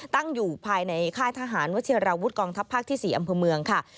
ตั้งอยู่ภายในค่ายทหารวัชิราวุฒิกองทัพภาคที่๔อำเภอเมืองค่ะ